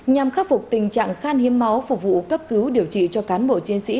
nhằm khắc phục tình trạng khan hiếm máu phục vụ cấp cứu điều trị cho cán bộ chiến sĩ